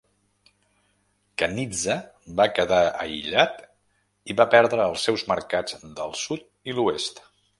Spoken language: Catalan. Kanizsa va quedar aïllat i va perdre els seus mercats del sud i l'oest.